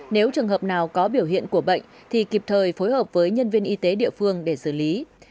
nếu trường hợp nào có biểu hiện của bệnh thì kịp thời phối hợp với nhân viên y tế địa phương để xử lý